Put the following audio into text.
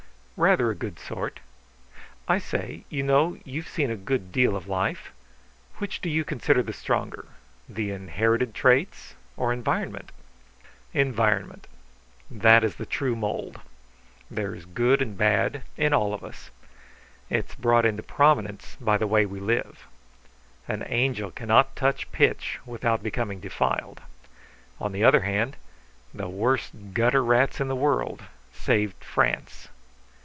"Rather a good sort. I say, you know, you've seen a good deal of life. Which do you consider the stronger, the inherited traits or environment?" "Environment. That is the true mould. There is good and bad in all of us. It is brought into prominence by the way we live. An angel cannot touch pitch without becoming defiled. On the other hand, the worst gutter rats in the world saved France.